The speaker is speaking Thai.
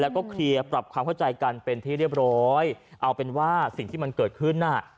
แล้วก็เคลียร์ปรับความเข้าใจกันเป็นที่เรียบร้อยเอาเป็นว่าสิ่งที่มันเกิดขึ้นน่ะ